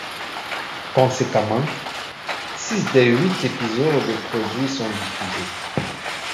Conséquemment, six des huit épisodes produits sont diffusés.